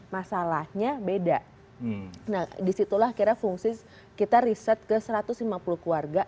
nah di situ lah akhirnya fungsi kita set ke satu ratus lima puluh keluarga